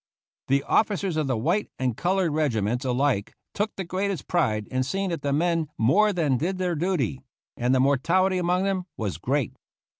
The officers of the white and colored regiments alike took the greatest pride in seeing that the men more than did their duty; and the mortality among them was great.